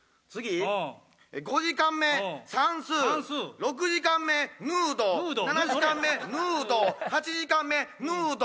５時間目算数６時間目ヌード７時間目ヌード８時間目ヌード